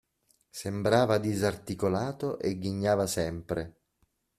Sembrava disarticolato e ghignava sempre.